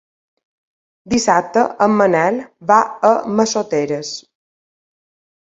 Dissabte en Manel va a Massoteres.